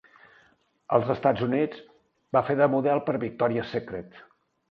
Als Estats Units, va fer de model per Victoria's Secret.